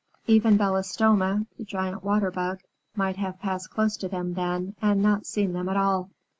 Even Belostoma, the Giant Water Bug, might have passed close to them then and not seen them at all.